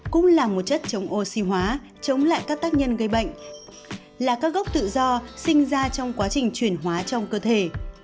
cũng là một chất chống oxy hóa chống lại các tác nhân gây bệnh là các gốc tự do sinh ra trong quá trình chuyển hóa trong cơ thể